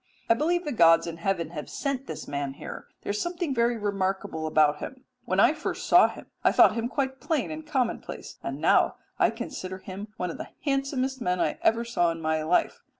I believe the gods in heaven have sent this man here. There is something very remarkable about him. When I first saw him I thought him quite plain and commonplace, and now I consider him one of the handsomest men I ever saw in my life.